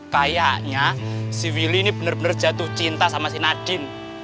kayaknya si willy ini benar benar jatuh cinta sama si nadine